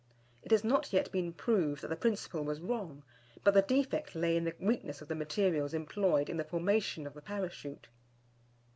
It has not yet been proved that the principle was wrong, but the defect lay in the weakness of the materials employed in the formation of the Parachute.